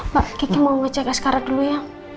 mbak kiki mau ngecek askara dulu ya